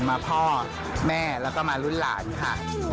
มาพ่อแม่แล้วก็มารุ่นหลานค่ะ